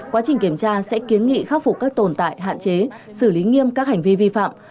quá trình kiểm tra sẽ kiến nghị khắc phục các tồn tại hạn chế xử lý nghiêm các hành vi vi phạm